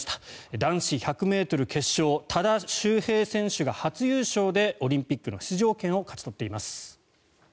男子１００ｍ決勝多田修平選手が初優勝でオリンピックの出場権を勝ち取っています。